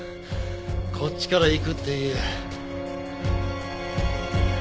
こっちから行くって言え。